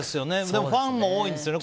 でもファンも多いんですよね